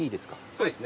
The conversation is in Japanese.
そうですね